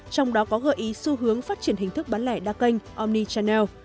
trong đó có gợi ý xu hướng phát triển hình thức bán lẻ đa kênh omnichannel